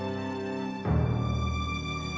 aku sudah tersenyum